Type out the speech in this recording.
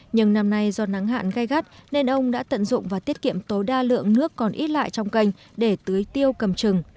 nhưng năm nay do nắng hạn gai gắt nên ông đã tận dụng và tiết kiệm tối đa lượng nước còn ít lại trong kênh để tưới tiêu cầm trừng